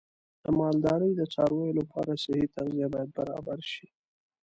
د مالدارۍ د څارویو لپاره صحي تغذیه باید برابر شي.